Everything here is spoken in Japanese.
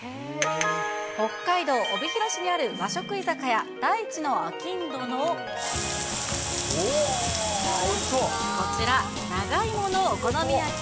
北海道帯広市にある和食居酒屋、大地のあきんどのこちら、長芋のお好み焼き。